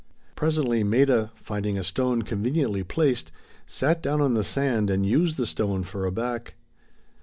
Presently Maida, finding a stone conveniently placed, sat down on the sand and used the stone for a back.